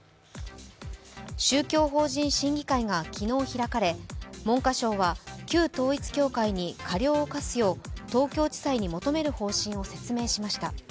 宗教法人審議会が昨日開かれ、文科省は旧統一教会に過料を科すよう東京地裁に求める方針を説明しました。